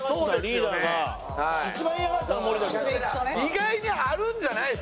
意外にあるんじゃないですか？